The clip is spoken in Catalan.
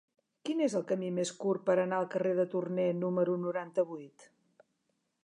Quin és el camí més curt per anar al carrer de Torné número noranta-vuit?